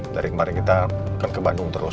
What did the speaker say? dari kemarin kita kan ke bandung terus